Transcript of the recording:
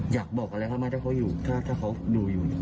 อยากบอกอะไรครับมาถ้าเขาอยู่ถ้าถ้าเขาดูอยู่